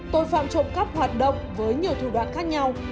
tội phạm trộm cắp hoạt động với nhiều thủ đoạn khác nhau